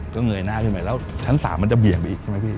ก็เงยหน้าขึ้นไปแล้วชั้น๓มันจะเบี่ยงไปอีกใช่ไหมพี่